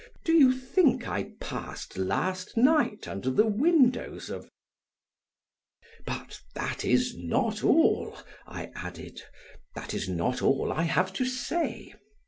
Do you think I passed last night under the windows of ? But that is not all," I added, "that is not all I have to say.